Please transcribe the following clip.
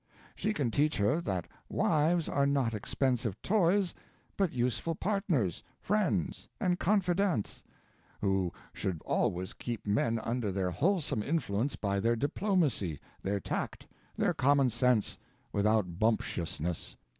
She can teach her that wives are not expensive toys, but useful partners, friends, and confidants, who should always keep men under their wholesome influence by their diplomacy, their tact, their common sense, without bumptiousness.